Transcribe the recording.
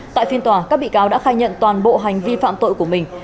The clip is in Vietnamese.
tại phiên tòa các bị cáo đã khai nhận toàn bộ hành vi phạm tội của mình